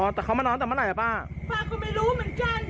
แต่เขามานอนแต่เมื่อไหร่ป้าป้าก็ไม่รู้เหมือนกัน